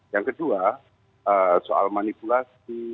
yang kedua soal manipulasi